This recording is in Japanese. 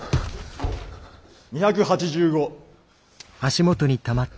２８５。